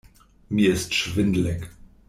Mir ist schwindelig.